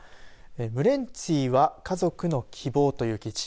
ムレンツィは家族の希望という記事。